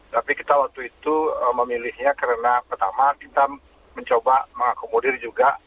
tapi kita waktu itu memilihnya karena pertama kita mencoba mengakomodir juga